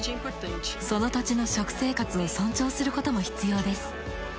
その土地の食生活を尊重することも必要です。